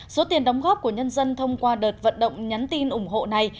số tiền đóng góp của nhân dân thông qua đợt vận động nhắn tin ủng hộ này